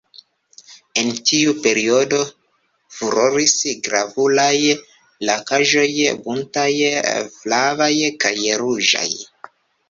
En tiu periodo furoris gravuraj lakaĵoj buntaj, flavaj kaj ruĝaj.